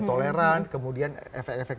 toleran kemudian efek efek